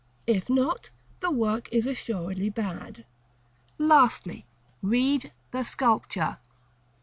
If not, the work is assuredly bad. § CXIV. Lastly. Read the sculpture.